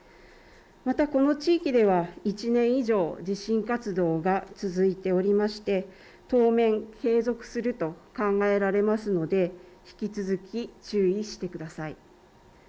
またこの地域では１年以上、地震活動が続いておりまして当面、継続すると考えられますので引き続き注意してください。